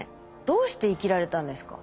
どうして生きられたんですか？